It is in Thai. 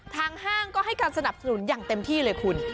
ห้างก็ให้การสนับสนุนอย่างเต็มที่เลยคุณ